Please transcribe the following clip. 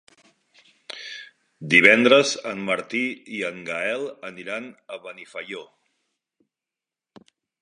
Divendres en Martí i en Gaël aniran a Benifaió.